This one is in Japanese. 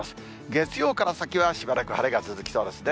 月曜から先はしばらく晴れが続きそうですね。